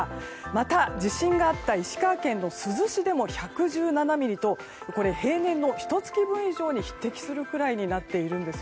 また地震があった石川県珠洲市でも１１７ミリと平年のひと月分以上に匹敵するくらいになっているんです。